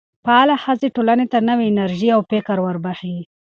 فعاله ښځې ټولنې ته نوې انرژي او فکر وربخښي.